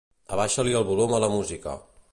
Abaixa-li el volum a la música.